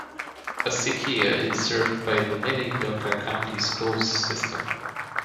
Acequia is served by the Minidoka County Schools system.